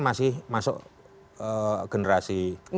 masih masuk generasi